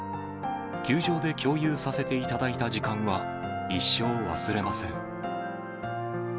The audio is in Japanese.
球場で共有させていただいた時間は、一生忘れません。